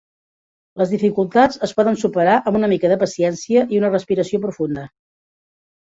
Les dificultats es poden superar amb una mica de paciència i una respiració profunda.